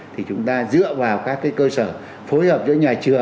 thì chúng ta dựa vào các cái cơ sở phối hợp với nhà truy viết